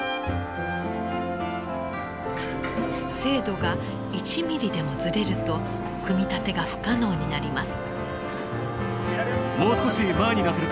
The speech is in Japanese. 精度が１ミリでもずれると組み立てが不可能になります。